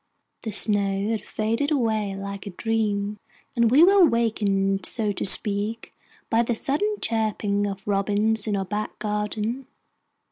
The snow had faded away like a dream, and we were awakened, so to speak, by the sudden chirping of robins in our back garden.